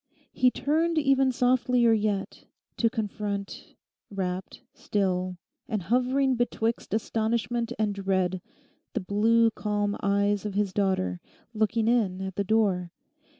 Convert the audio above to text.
He turned even softlier yet, to confront, rapt, still, and hovering betwixt astonishment and dread, the blue calm eyes of his daughter, looking in at the door.